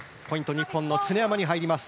日本の常山に入ります。